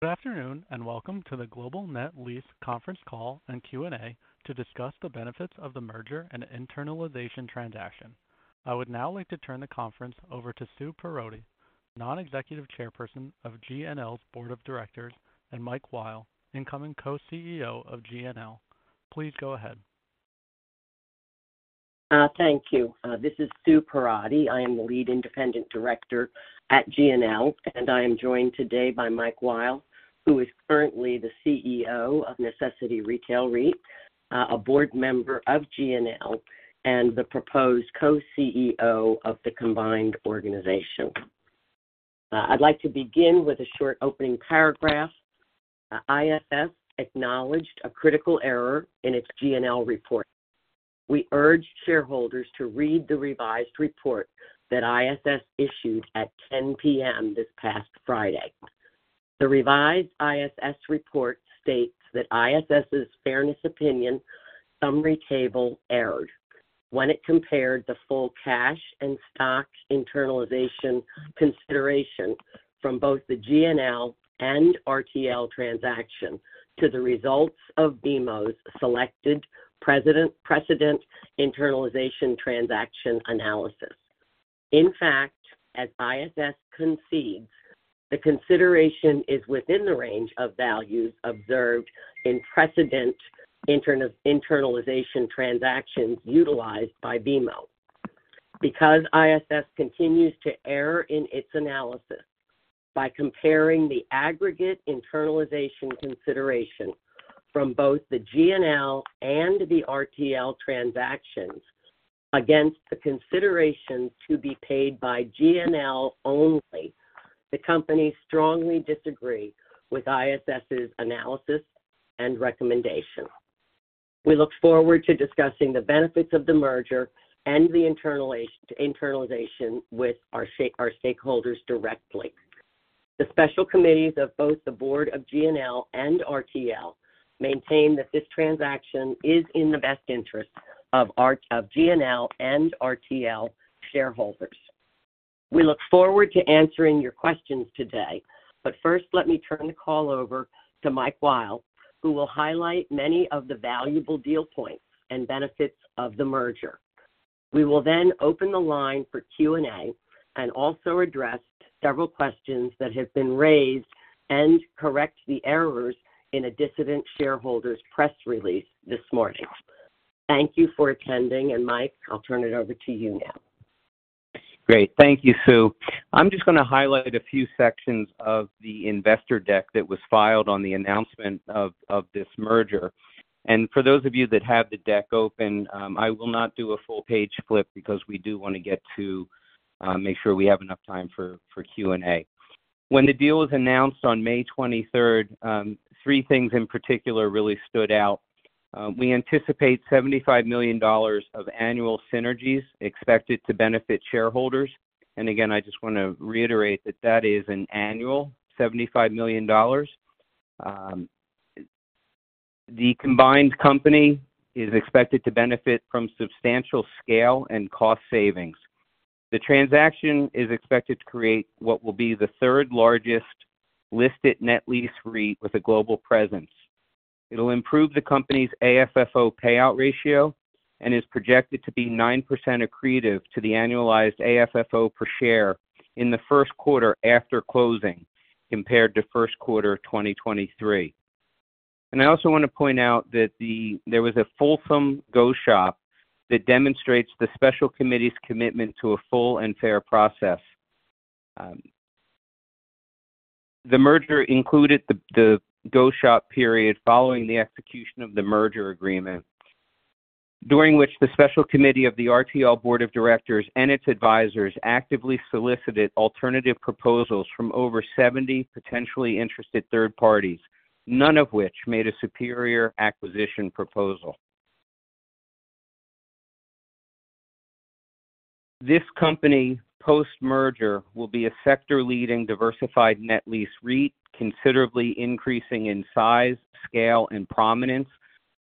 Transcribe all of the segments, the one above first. Good afternoon, and welcome to the Global Net Lease conference call and Q&A to discuss the benefits of the merger and internalization transaction. I would now like to turn the conference over to Sue Perrotty, Non-Executive Chairperson of GNL's Board of Directors, and Mike Weil, incoming Co-CEO of GNL. Please go ahead. Thank you. This is Sue Perrotty. I am the Lead Independent Director at GNL, and I am joined today by Mike Weil, who is currently the CEO of Necessity Retail REIT, a Board member of GNL, and the proposed Co-CEO of the combined organization. I'd like to begin with a short opening paragraph. ISS acknowledged a critical error in its GNL report. We urge shareholders to read the revised report that ISS issued at 10:00 P.M. this past Friday. The revised ISS report states that ISS's fairness opinion summary table erred when it compared the full cash and stock internalization consideration from both the GNL and RTL transaction to the results of BMO's selected precedent internalization transaction analysis. In fact, as ISS concedes, the consideration is within the range of values observed in precedent internalization transactions utilized by BMO. Because ISS continues to err in its analysis by comparing the aggregate internalization consideration from both the GNL and the RTL transactions against the consideration to be paid by GNL only, the company strongly disagree with ISS's analysis and recommendation. We look forward to discussing the benefits of the merger and the internalization with our stake, our stakeholders directly. The special committees of both the Board of GNL and RTL maintain that this transaction is in the best interest of our, of GNL and RTL shareholders. We look forward to answering your questions today, but first, let me turn the call over to Mike Weil, who will highlight many of the valuable deal points and benefits of the merger. We will then open the line for Q&A and also address several questions that have been raised and correct the errors in a dissident shareholder's press release this morning. Thank you for attending, and Mike, I'll turn it over to you now. Great. Thank you, Sue. I'm just going to highlight a few sections of the investor deck that was filed on the announcement of this merger. For those of you that have the deck open, I will not do a full-page flip because we do want to get to make sure we have enough time for Q&A. When the deal was announced on May 23rd, three things in particular really stood out. We anticipate $75 million of annual synergies expected to benefit shareholders. And again, I just want to reiterate that that is an annual $75 million. The combined company is expected to benefit from substantial scale and cost savings. The transaction is expected to create what will be the third largest listed net lease REIT with a global presence. It'll improve the company's AFFO payout ratio and is projected to be 9% accretive to the annualized AFFO per share in the first quarter after closing, compared to first quarter of 2023. And I also want to point out that there was a fulsome go-shop that demonstrates the special committee's commitment to a full and fair process. The merger included the go-shop period following the execution of the merger agreement, during which the special committee of the RTL Board of Directors and its advisors actively solicited alternative proposals from over 70 potentially interested third parties, none of which made a superior acquisition proposal. This company, post-merger, will be a sector-leading, diversified net lease REIT, considerably increasing in size, scale, and prominence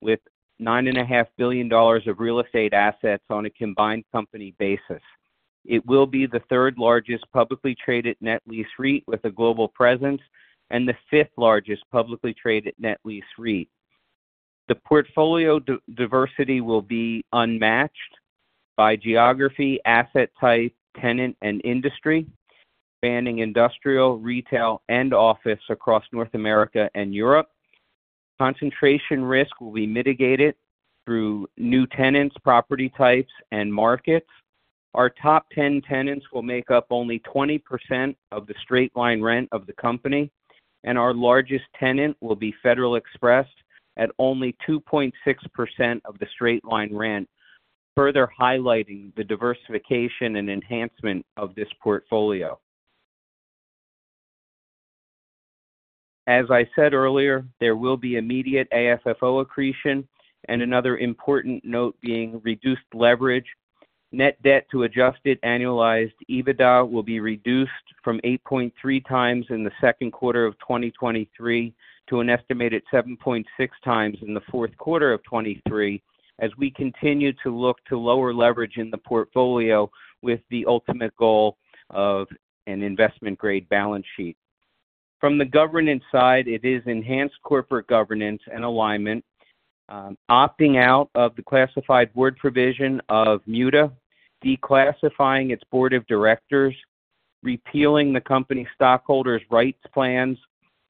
with $9.5 billion of real estate assets on a combined company basis. It will be the third largest publicly traded net lease REIT with a global presence and the fifth largest publicly traded net lease REIT. The portfolio diversity will be unmatched by geography, asset type, tenant, and industry, spanning industrial, retail, and office across North America and Europe. Concentration risk will be mitigated through new tenants, property types, and markets. Our top ten tenants will make up only 20% of the straight-line rent of the company, and our largest tenant will be Federal Express at only 2.6% of the straight-line rent, further highlighting the diversification and enhancement of this portfolio. As I said earlier, there will be immediate AFFO accretion and another important note being reduced leverage. Net debt to adjusted annualized EBITDA will be reduced from 8.3x in the second quarter of 2023 to an estimated 7.6x in the fourth quarter of 2023, as we continue to look to lower leverage in the portfolio with the ultimate goal of an investment-grade balance sheet. From the governance side, it is enhanced corporate governance and alignment, opting out of the classified Board provision of MUTA, declassifying its Board of Directors, repealing the company stockholders' rights plans,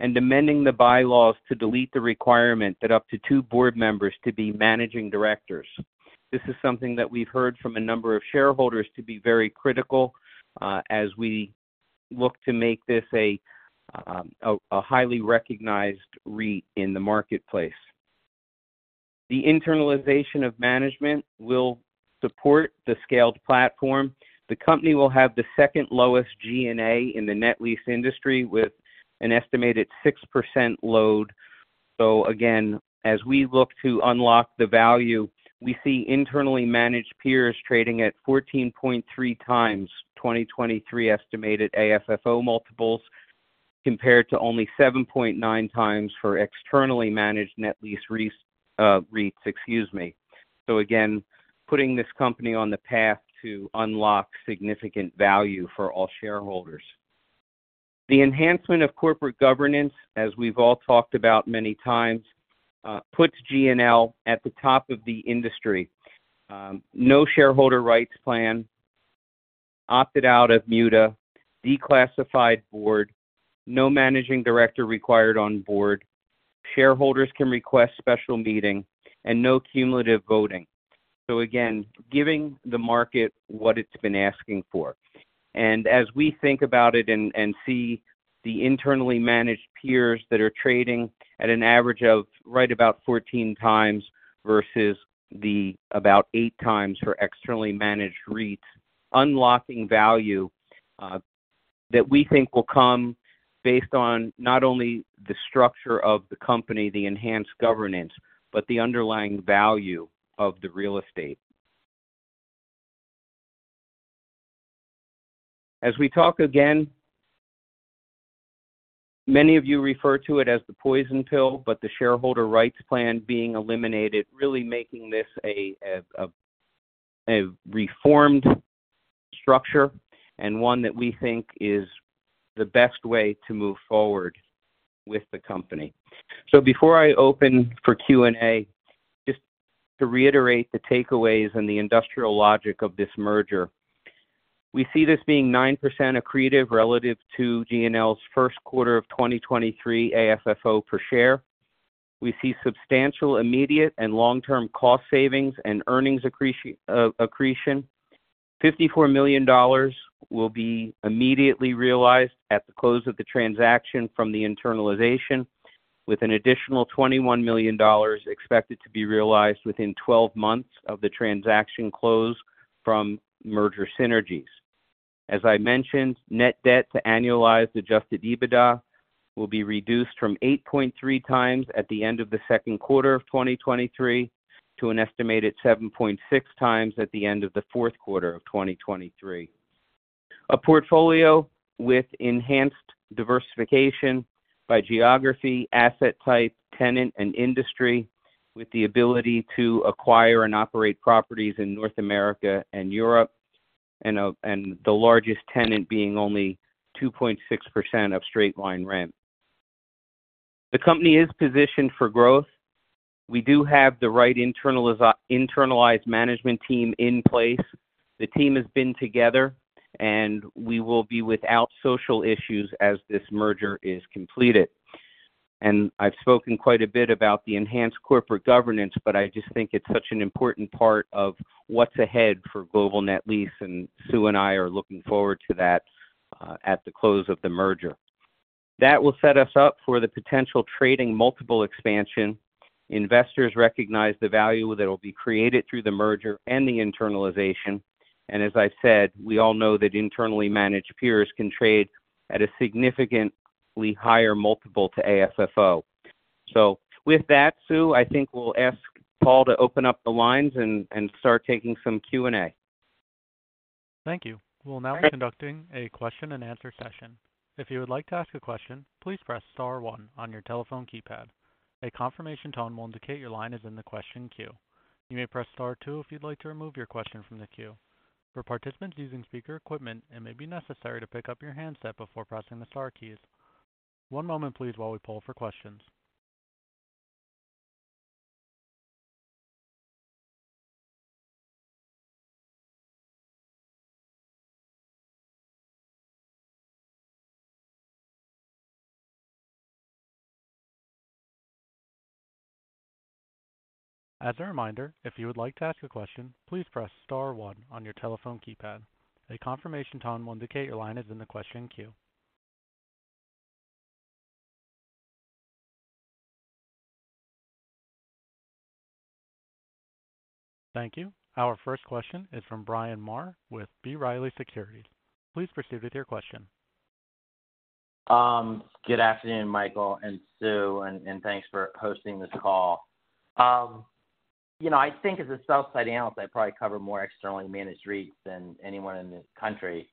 and amending the bylaws to delete the requirement that up to two Board members to be managing directors. This is something that we've heard from a number of shareholders to be very critical, as we look to make this a highly recognized REIT in the marketplace. The internalization of management will support the scaled platform. The company will have the second lowest G&A in the net lease industry, with an estimated 6% load. So again, as we look to unlock the value, we see internally managed peers trading at 14.3x 2023 estimated AFFO multiples, compared to only 7.9x for externally managed net lease REITs. So again, putting this company on the path to unlock significant value for all shareholders. The enhancement of corporate governance, as we've all talked about many times, puts GNL at the top of the industry. No shareholder rights plan, opted out of MUTA, declassified Board, no managing director required on Board, shareholders can request special meeting, and no cumulative voting. So again, giving the market what it's been asking for. And as we think about it and see the internally managed peers that are trading at an average of right about 14x versus the about 8x for externally managed REITs, unlocking value that we think will come based on not only the structure of the company, the enhanced governance, but the underlying value of the real estate. As we talk again, many of you refer to it as the poison pill, but the shareholder rights plan being eliminated, really making this a reformed structure and one that we think is the best way to move forward with the company. So before I open for Q&A, just to reiterate the takeaways and the industrial logic of this merger. We see this being 9% accretive relative to GNL's first quarter of 2023 AFFO per share. We see substantial, immediate, and long-term cost savings and earnings accretion. $54 million will be immediately realized at the close of the transaction from the internalization, with an additional $21 million expected to be realized within 12 months of the transaction close from merger synergies. As I mentioned, net debt to annualized adjusted EBITDA will be reduced from 8.3x at the end of the second quarter of 2023 to an estimated 7.6x at the end of the fourth quarter of 2023. A portfolio with enhanced diversification by geography, asset type, tenant, and industry, with the ability to acquire and operate properties in North America and Europe, and the largest tenant being only 2.6% of straight-line rent. The company is positioned for growth. We do have the right internalized management team in place. The team has been together, and we will be without social issues as this merger is completed. I've spoken quite a bit about the enhanced corporate governance, but I just think it's such an important part of what's ahead for Global Net Lease, and Sue and I are looking forward to that at the close of the merger. That will set us up for the potential trading multiple expansion. Investors recognize the value that will be created through the merger and the internalization. As I said, we all know that internally managed peers can trade at a significantly higher multiple to AFFO. So with that, Sue, I think we'll ask Paul to open up the lines and start taking some Q&A. Thank you. We'll now be conducting a question-and-answer session. If you would like to ask a question, please press star one on your telephone keypad. A confirmation tone will indicate your line is in the question queue. You may press star two if you'd like to remove your question from the queue. For participants using speaker equipment, it may be necessary to pick up your handset before pressing the star keys. One moment please, while we poll for questions. As a reminder, if you would like to ask a question, please press star one on your telephone keypad. A confirmation tone will indicate your line is in the question queue. Thank you. Our first question is from Bryan Maher with B. Riley Securities. Please proceed with your question. Good afternoon, Michael and Sue, and thanks for hosting this call. You know, I think as a sell-side analyst, I probably cover more externally managed REITs than anyone in this country.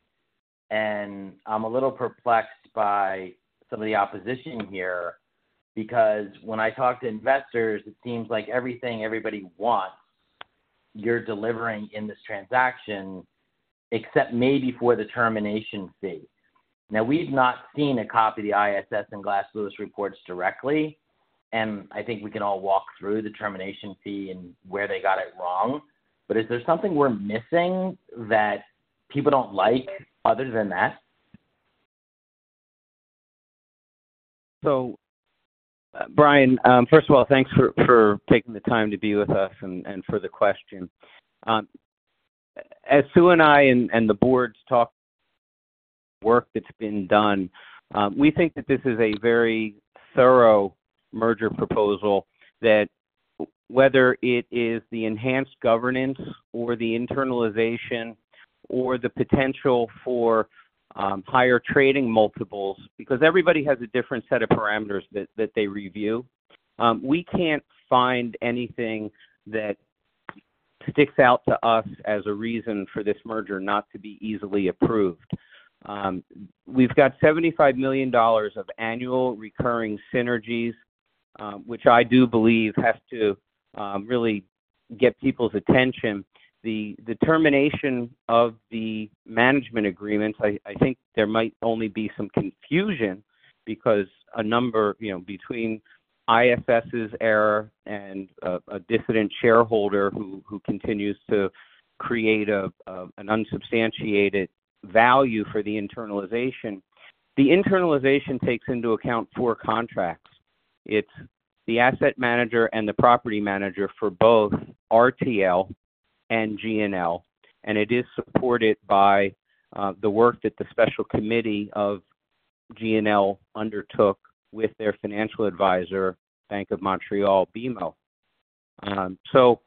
I'm a little perplexed by some of the opposition here, because when I talk to investors, it seems like everything everybody wants—you're delivering in this transaction, except maybe for the termination fee. Now, we've not seen a copy of the ISS and Glass Lewis reports directly, and I think we can all walk through the termination fee and where they got it wrong. But is there something we're missing that people don't like other than that? So, Brian, first of all, thanks for taking the time to be with us and for the question. As Sue and I and the Boards talk work that's been done, we think that this is a very thorough merger proposal that whether it is the enhanced governance or the internalization or the potential for higher trading multiples, because everybody has a different set of parameters that they review. We can't find anything that sticks out to us as a reason for this merger not to be easily approved. We've got $75 million of annual recurring synergies, which I do believe has to really get people's attention. The determination of the management agreements, I think there might only be some confusion because a number, you know, between ISS's error and a dissident shareholder who continues to create an unsubstantiated value for the internalization. The internalization takes into account four contracts. It's the asset manager and the property manager for both RTL and GNL, and it is supported by the work that the special committee of GNL undertook with their financial advisor, Bank of Montreal, BMO. So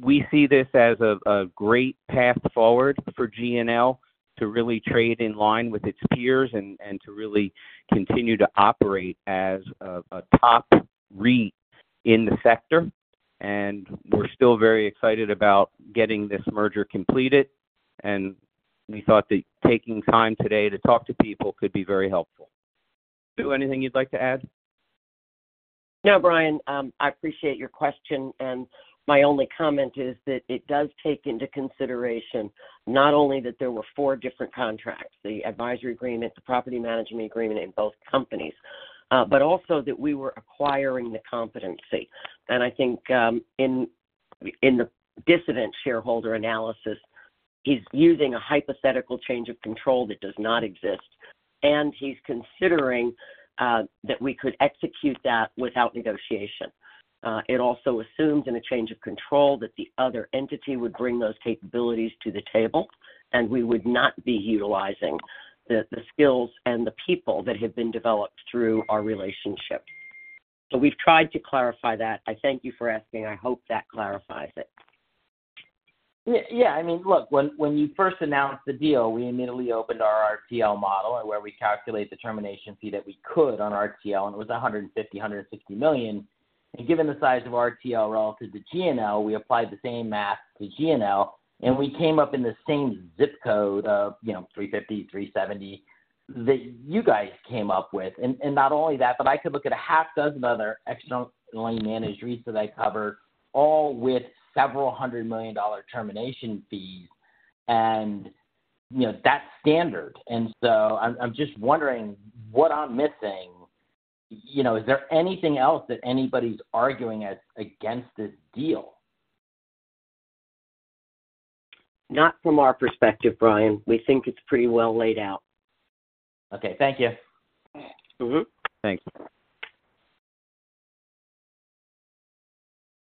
we see this as a great path forward for GNL to really trade in line with its peers and to really continue to operate as a top REIT in the sector. And we're still very excited about getting this merger completed, and we thought that taking time today to talk to people could be very helpful. Sue, anything you'd like to add? No, Bryan, I appreciate your question, and my only comment is that it does take into consideration not only that there were four different contracts, the advisory agreement, the property management agreement in both companies, but also that we were acquiring the competency. And I think, in the dissident shareholder analysis, he's using a hypothetical change of control that does not exist, and he's considering that we could execute that without negotiation. It also assumes, in a change of control, that the other entity would bring those capabilities to the table, and we would not be utilizing the skills and the people that have been developed through our relationship. So we've tried to clarify that. I thank you for asking. I hope that clarifies it. Yeah, I mean, look, when you first announced the deal, we immediately opened our RTL model, where we calculate the termination fee that we could on RTL, and it was $150 million-$160 million. And given the size of RTL relative to GNL, we applied the same math to GNL, and we came up in the same zip code of, you know, 350-370, that you guys came up with. And not only that, but I could look at a half dozen other externally managed REITs that I cover, all with $several hundred million termination fees, and, you know, that's standard. And so I'm just wondering what I'm missing. You know, is there anything else that anybody's arguing against this deal? Not from our perspective, Bryan. We think it's pretty well laid out. Okay. Thank you. Mm-hmm. Thanks.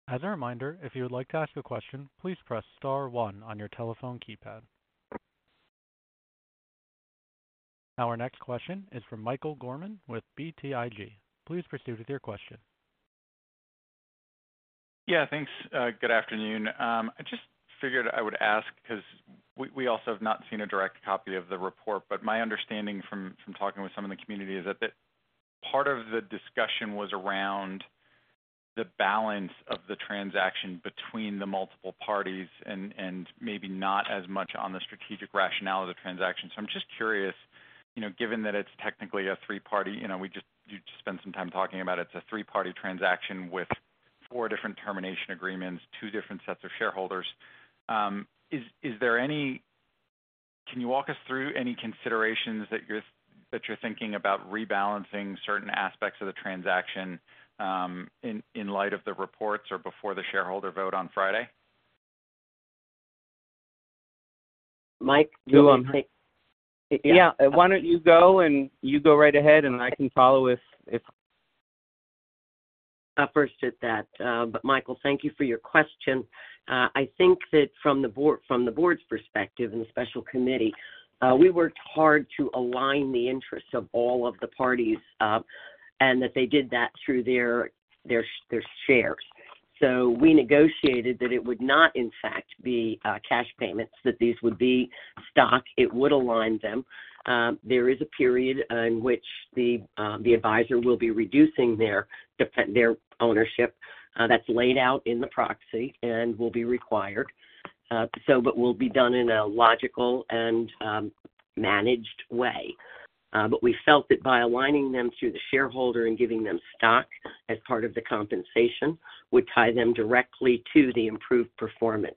As a reminder, if you would like to ask a question, please press star one on your telephone keypad. Our next question is from Michael Gorman with BTIG. Please proceed with your question. Yeah, thanks. Good afternoon. I just figured I would ask, 'cause we also have not seen a direct copy of the report, but my understanding from talking with some of the community is that the part of the discussion was around the balance of the transaction between the multiple parties and maybe not as much on the strategic rationale of the transaction. So I'm just curious, you know, given that it's technically a three-party, you know, you just spent some time talking about it. It's a three-party transaction with four different termination agreements, two different sets of shareholders. Is there any... Can you walk us through any considerations that you're thinking about rebalancing certain aspects of the transaction, in light of the reports or before the shareholder vote on Friday? Mike, do you want to take- Yeah, why don't you go, and you go right ahead, and I can follow if, if- But Michael, thank you for your question. I think that from the Board, from the Board's perspective and the special committee, we worked hard to align the interests of all of the parties, and that they did that through their shares. So we negotiated that it would not, in fact, be cash payments, that these would be stock. It would align them. There is a period in which the advisor will be reducing their ownership, that's laid out in the proxy and will be required. So, but will be done in a logical and managed way.... But we felt that by aligning them through the shareholder and giving them stock as part of the compensation, would tie them directly to the improved performance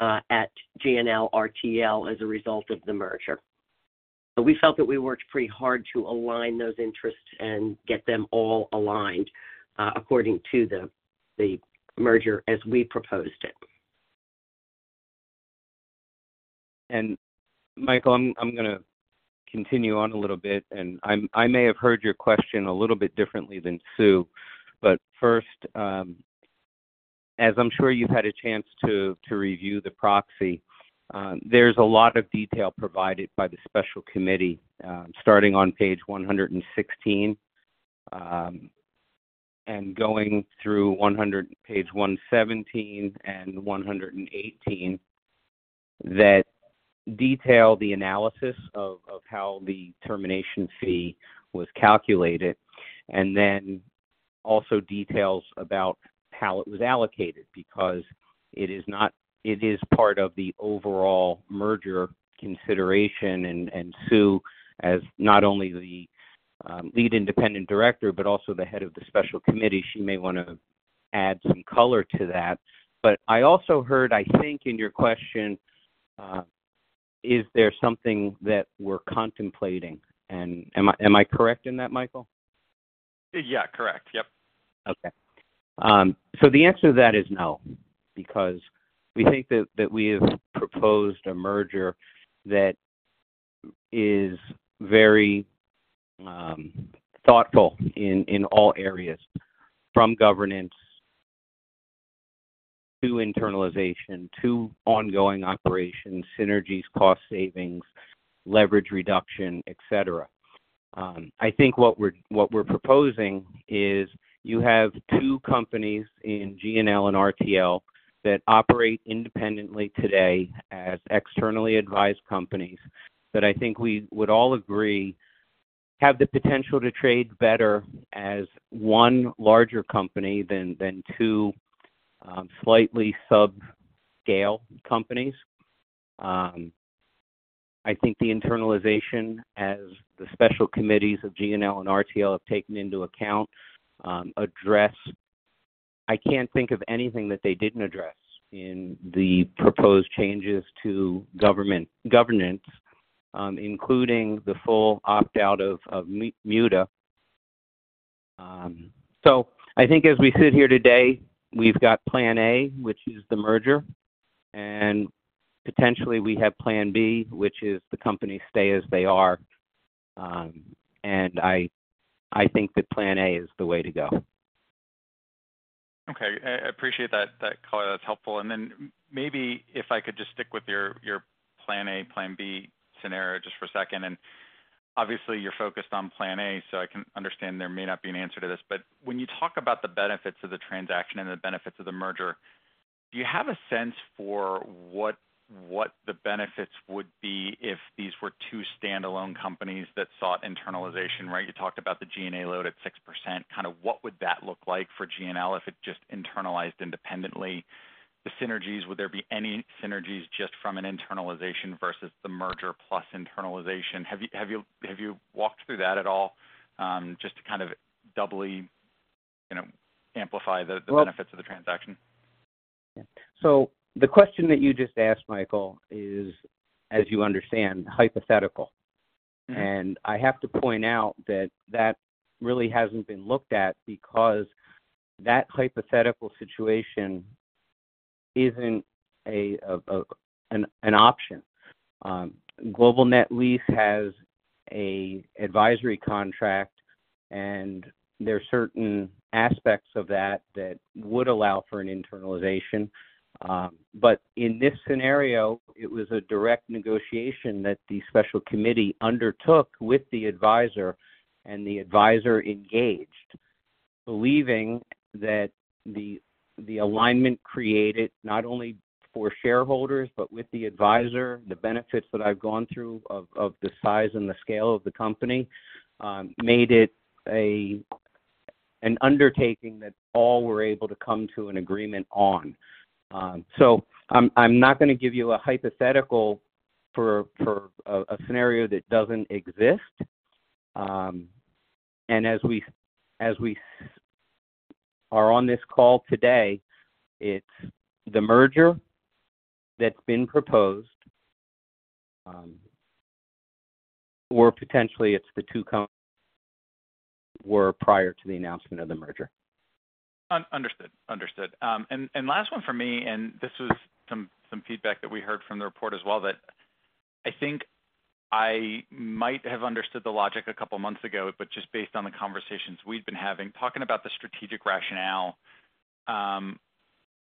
at GNL RTL as a result of the merger. So we felt that we worked pretty hard to align those interests and get them all aligned according to the merger as we proposed it. And Michael, I'm gonna continue on a little bit, and I may have heard your question a little bit differently than Sue. But first, as I'm sure you've had a chance to review the proxy, there's a lot of detail provided by the special committee, starting on page 116, and going through page 117 and 118, that detail the analysis of how the termination fee was calculated, and then also details about how it was allocated, because it is not- it is part of the overall merger consideration. And Sue, as not only the Lead Independent Director, but also the Head of the Special Committee, she may wanna add some color to that. But I also heard, I think, in your question, is there something that we're contemplating? Am I, am I correct in that, Michael? Yeah, correct. Yep. Okay. So the answer to that is no, because we think that we have proposed a merger that is very thoughtful in all areas, from governance to internalization to ongoing operations, synergies, cost savings, leverage reduction, et cetera. I think what we're proposing is you have two companies in GNL and RTL that operate independently today as externally advised companies, that I think we would all agree have the potential to trade better as one larger company than two slightly subscale companies. I think the internalization, as the special committees of GNL and RTL have taken into account, address. I can't think of anything that they didn't address in the proposed changes to governance, including the full opt-out of MUTA. So I think as we sit here today, we've got plan A, which is the merger, and potentially we have plan B, which is the company stay as they are. I think that plan A is the way to go. Okay. I appreciate that color. That's helpful. And then maybe if I could just stick with your plan A, plan B scenario just for a second. And obviously, you're focused on plan A, so I can understand there may not be an answer to this. But when you talk about the benefits of the transaction and the benefits of the merger, do you have a sense for what the benefits would be if these were two standalone companies that sought internalization, right? You talked about the G&A load at 6%. Kind of what would that look like for GNL if it just internalized independently? The synergies, would there be any synergies just from an internalization versus the merger plus internalization? Have you walked through that at all, just to kind of doubly, you know, amplify the benefits of the transaction? The question that you just asked, Michael, is, as you understand, hypothetical. I have to point out that that really hasn't been looked at because that hypothetical situation isn't an option. Global Net Lease has an advisory contract, and there are certain aspects of that that would allow for an internalization. But in this scenario, it was a direct negotiation that the special committee undertook with the advisor, and the advisor engaged, believing that the alignment created not only for shareholders but with the advisor, the benefits that I've gone through of the size and the scale of the company, made it an undertaking that all were able to come to an agreement on. So I'm not gonna give you a hypothetical for a scenario that doesn't exist. As we are on this call today, it's the merger that's been proposed, or potentially it's the two companies prior to the announcement of the merger. Understood. And last one for me, and this was some feedback that we heard from the report as well, that I think I might have understood the logic a couple of months ago, but just based on the conversations we've been having, talking about the strategic rationale,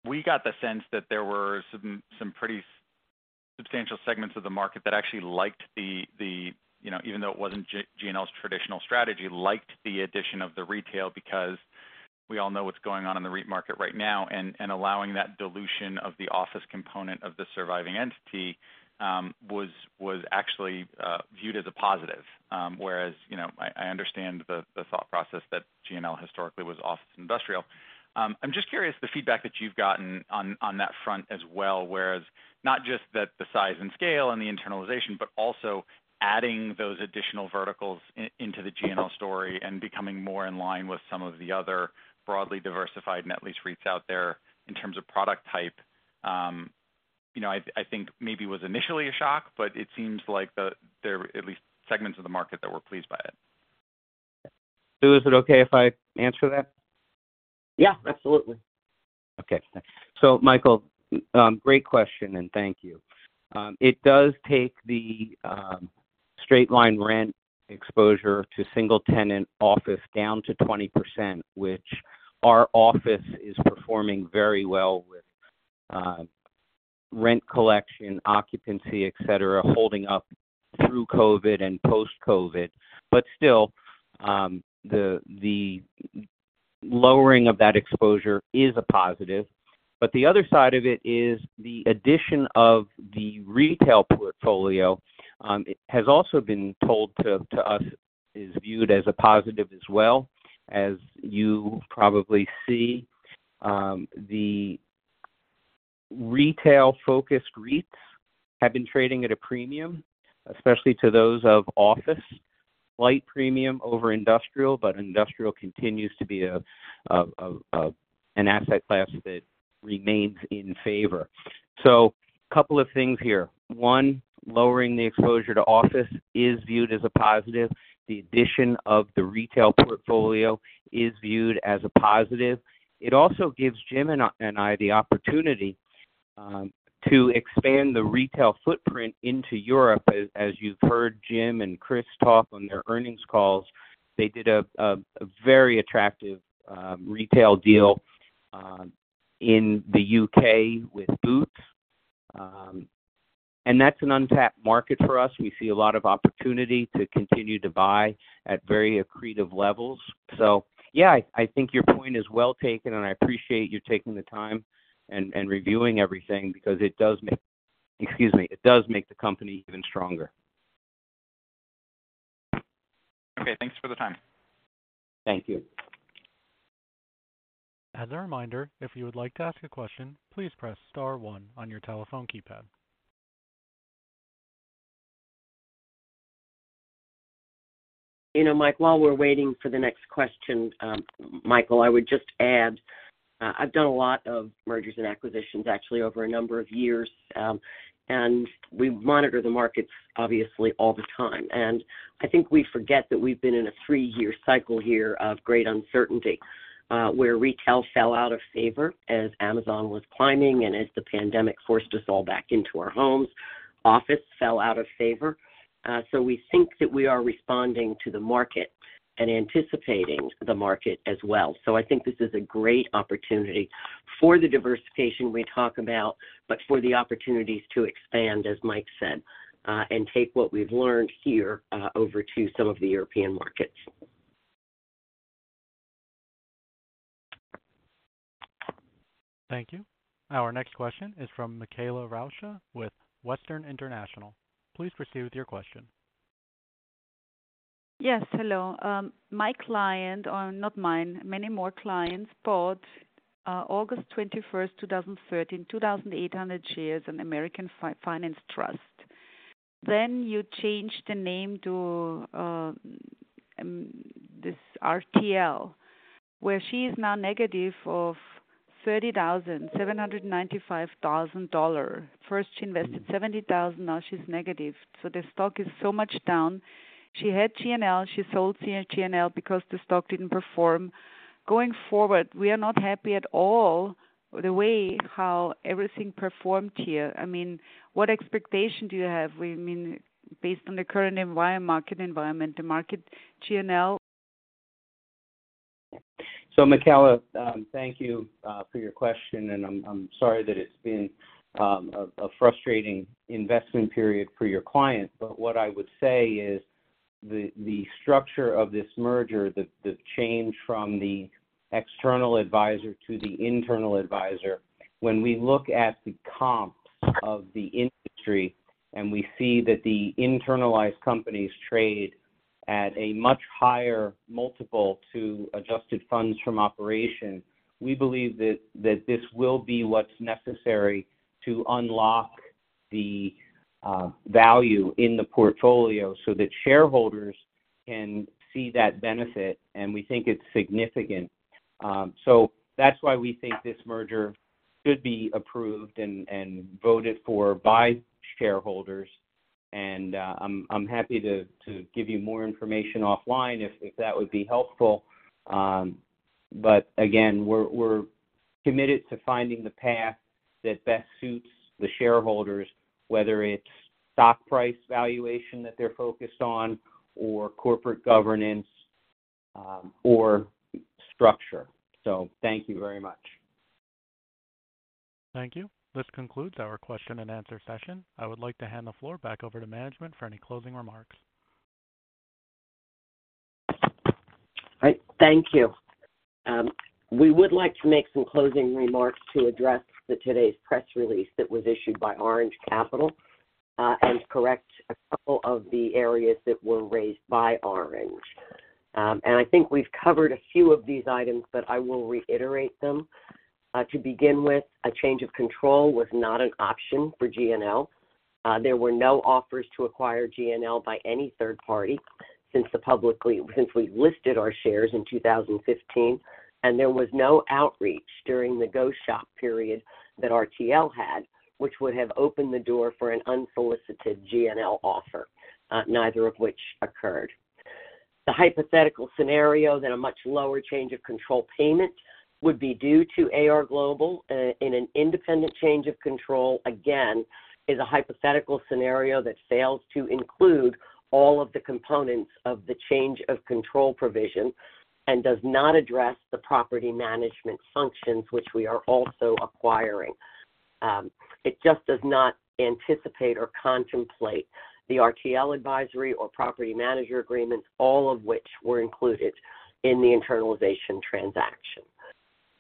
we got the sense that there were some pretty substantial segments of the market that actually liked the, you know, even though it wasn't GNL's traditional strategy, liked the addition of the retail because we all know what's going on in the REIT market right now, and allowing that dilution of the office component of the surviving entity, was actually viewed as a positive. Whereas, you know, I understand the thought process that GNL historically was office industrial. I'm just curious, the feedback that you've gotten on, on that front as well, whereas not just that the size and scale and the internalization, but also adding those additional verticals into the GNL story and becoming more in line with some of the other broadly diversified net lease REITs out there in terms of product type, you know, I, I think maybe was initially a shock, but it seems like the, there are at least segments of the market that were pleased by it. Sue, is it okay if I answer that? Yeah, absolutely. Okay. So, Michael, great question, and thank you. It does take the straight-line rent exposure to single-tenant office down to 20%, which our office is performing very well with, rent collection, occupancy, et cetera, holding up through COVID and post-COVID. But still, the lowering of that exposure is a positive, but the other side of it is the addition of the retail portfolio, it has also been told to us is viewed as a positive as well. As you probably see, the retail-focused REITs have been trading at a premium, especially to those of office. Slight premium over industrial, but industrial continues to be an asset class that remains in favor. So a couple of things here. One, lowering the exposure to office is viewed as a positive. The addition of the retail portfolio is viewed as a positive. It also gives Jim and I the opportunity to expand the retail footprint into Europe. As you've heard Jim and Chris talk on their earnings calls, they did a very attractive retail deal in the U.K. with Boots. And that's an untapped market for us. We see a lot of opportunity to continue to buy at very accretive levels. So yeah, I think your point is well taken, and I appreciate you taking the time and reviewing everything because it does make... Excuse me, it does make the company even stronger. Okay, thanks for the time. Thank you. As a reminder, if you would like to ask a question, please press star one on your telephone keypad. You know, Mike, while we're waiting for the next question, Michael, I would just add, I've done a lot of mergers and acquisitions actually over a number of years, and we monitor the markets obviously all the time. And I think we forget that we've been in a three-year cycle here of great uncertainty, where retail fell out of favor as Amazon was climbing and as the pandemic forced us all back into our homes. Office fell out of favor, so we think that we are responding to the market and anticipating the market as well. So I think this is a great opportunity for the diversification we talk about, but for the opportunities to expand, as Mike said, and take what we've learned here, over to some of the European markets. Thank you. Our next question is from Michaela Rauscher, with Western International. Please proceed with your question. Yes, hello. My client, or not mine, many more clients, bought August 21, 2013, 2,800 shares in American Finance Trust. Then you changed the name to this RTL, where she is now -$37,795. First, she invested $70,000, now she's negative. So the stock is so much down. She had GNL, she sold GNL because the stock didn't perform. Going forward, we are not happy at all with the way how everything performed here. I mean, what expectation do you have? We mean, based on the current environment, market environment, the market GNL. So, Michaela, thank you for your question, and I'm sorry that it's been a frustrating investment period for your clients. But what I would say is the structure of this merger, the change from the external advisor to the internal advisor, when we look at the comps of the industry and we see that the internalized companies trade at a much higher multiple to Adjusted Funds From Operations, we believe that this will be what's necessary to unlock the value in the portfolio so that shareholders can see that benefit, and we think it's significant. So that's why we think this merger should be approved and voted for by shareholders. I'm happy to give you more information offline if that would be helpful. But again, we're committed to finding the path that best suits the shareholders, whether it's stock price valuation that they're focused on, or corporate governance, or structure. So thank you very much. Thank you. This concludes our question-and-answer session. I would like to hand the floor back over to management for any closing remarks. Right. Thank you. We would like to make some closing remarks to address today's press release that was issued by Orange Capital, and correct a couple of the areas that were raised by Orange. And I think we've covered a few of these items, but I will reiterate them. To begin with, a change of control was not an option for GNL. There were no offers to acquire GNL by any third party since we listed our shares in 2015, and there was no outreach during the go-shop period that RTL had, which would have opened the door for an unsolicited GNL offer, neither of which occurred. The hypothetical scenario that a much lower change of control payment would be due to AR Global, in an independent change of control, again, is a hypothetical scenario that fails to include all of the components of the change of control provision and does not address the property management functions, which we are also acquiring. It just does not anticipate or contemplate the RTL advisory or property manager agreements, all of which were included in the internalization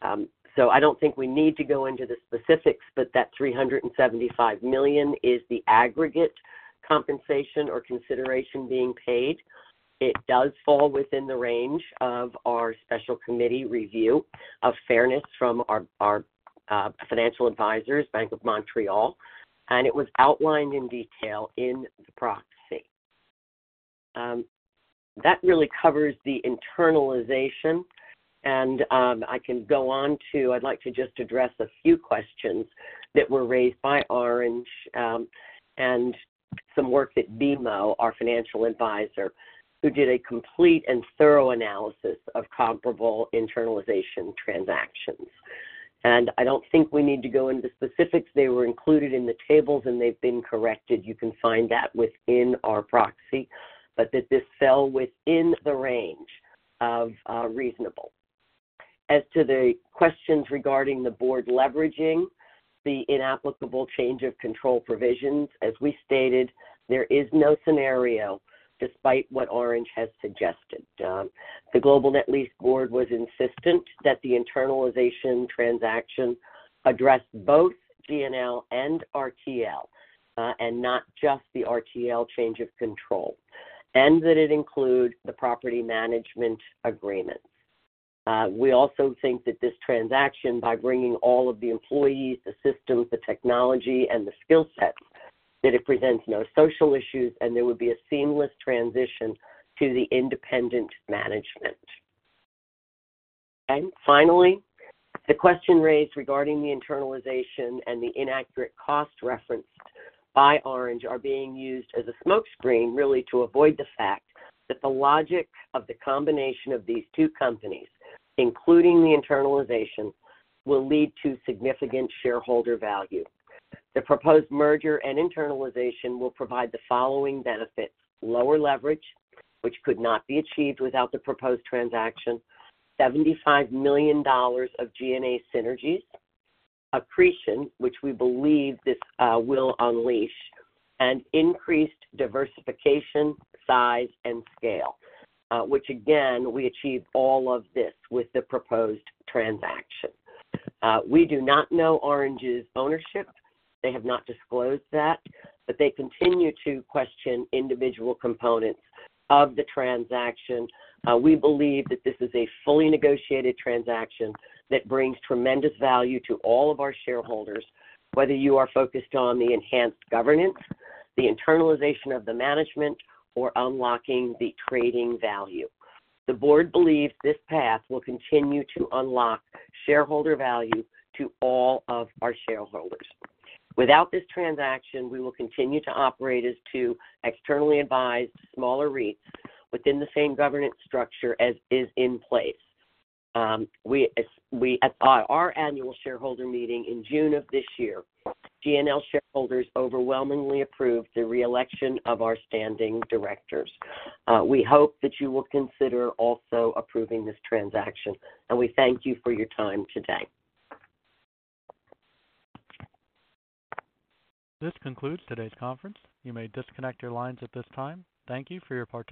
transaction. So I don't think we need to go into the specifics, but that $375 million is the aggregate compensation or consideration being paid. It does fall within the range of our special committee review of fairness from our financial advisors, Bank of Montreal, and it was outlined in detail in the proxy. That really covers the internalization. I can go on to... I'd like to just address a few questions that were raised by Orange, and some work that BMO, our financial advisor, who did a complete and thorough analysis of comparable internalization transactions. I don't think we need to go into specifics. They were included in the tables, and they've been corrected. You can find that within our proxy, but that this fell within the range of reasonable. As to the questions regarding the Board leveraging the inapplicable change of control provisions, as we stated, there is no scenario despite what Orange has suggested. The Global Net Lease Board was insistent that the internalization transaction address both GNL and RTL, and not just the RTL change of control, and that it include the property management agreements. We also think that this transaction, by bringing all of the employees, the systems, the technology, and the skill set, that it presents no social issues, and there would be a seamless transition to the independent management. And finally, the question raised regarding the internalization and the inaccurate cost referenced by Orange are being used as a smokescreen, really, to avoid the fact that the logic of the combination of these two companies, including the internalization, will lead to significant shareholder value. The proposed merger and internalization will provide the following benefits: lower leverage, which could not be achieved without the proposed transaction, $75 million of GNA synergies, accretion, which we believe this will unleash, and increased diversification, size, and scale. Which again, we achieve all of this with the proposed transaction. We do not know Orange's ownership. They have not disclosed that, but they continue to question individual components of the transaction. We believe that this is a fully negotiated transaction that brings tremendous value to all of our shareholders, whether you are focused on the enhanced governance, the internalization of the management, or unlocking the trading value. The Board believes this path will continue to unlock shareholder value to all of our shareholders. Without this transaction, we will continue to operate as two externally advised smaller REITs within the same governance structure as is in place. We, at our annual shareholder meeting in June of this year, GNL shareholders overwhelmingly approved the reelection of our standing directors. We hope that you will consider also approving this transaction, and we thank you for your time today. This concludes today's conference. You may disconnect your lines at this time. Thank you for your participation.